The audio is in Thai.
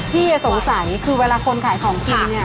พี่สงสัยคือคนขายของกินเนี่ย